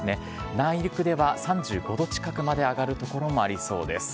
内陸では３５度近くまで上がる所もありそうです。